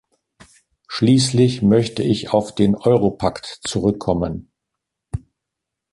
Schließlich möchte ich auf den Europakt zurückkommen.